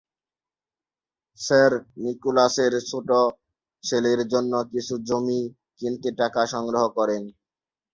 Sir নিকোলাসের ছোট ছেলের জন্য কিছু জমি কিনতে টাকা সংগ্রহ করেন।